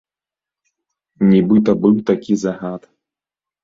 Нібыта быў такі загад.